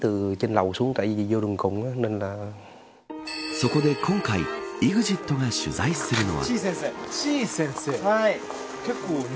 そこで今回ＥＸＩＴが取材するのは。